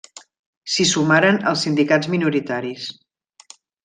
S'hi sumaren els sindicats minoritaris.